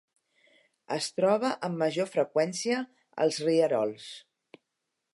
Es troba amb major freqüència als rierols.